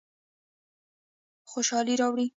خوشحالي راوړو.